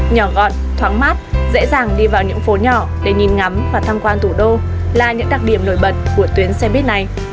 nhỏ gọn thoáng mát dễ dàng đi vào những phố nhỏ để nhìn ngắm và tham quan thủ đô là những đặc điểm nổi bật của tuyến xe buýt này